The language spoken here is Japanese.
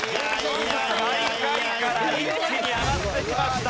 最下位から一気に上がってきました。